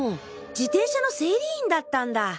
自転車の整理員だったんだ。